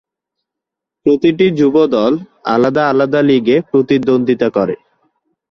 প্রতিটি যুব দল আলাদা আলাদা লীগে প্রতিদ্বন্দ্বিতা করে।